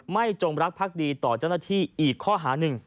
จงรักภักดีต่อเจ้าหน้าที่อีกข้อหาหนึ่ง